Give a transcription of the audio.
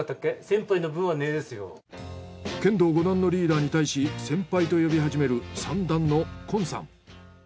剣道５段のリーダーに対し先輩と呼び始める３段の近さん。